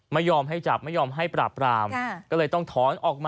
ไม่ยอมให้จับไม่ยอมให้ปราบรามก็เลยต้องถอนออกมา